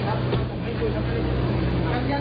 กลับไป